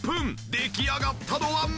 出来上がったのはまさか！